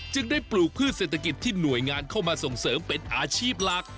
จึงได้ปลูกพืชเศรษฐกิจที่หน่วยงานเข้ามาส่งเสริมเป็นอาชีพหลัก